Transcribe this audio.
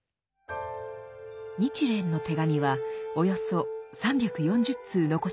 「日蓮の手紙」はおよそ３４０通残されています。